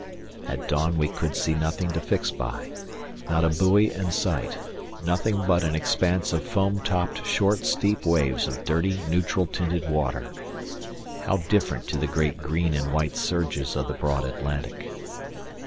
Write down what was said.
At dawn we could see nothing to fix by; not a buoy in sight, nothing but an expanse of foam topped short steep waves of dirty neutral tinted water; how different to the great green and white surges of the broad Atlantic.